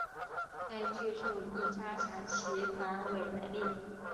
该技术亦加强其防伪能力。